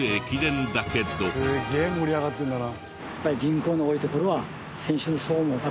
すげえ盛り上がってるんだな。